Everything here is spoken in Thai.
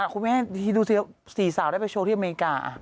คุณแม่ดูสิ๔สาวได้ไปโชว์ที่อเมริกา